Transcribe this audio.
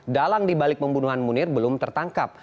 dalang dibalik pembunuhan munir belum tertangkap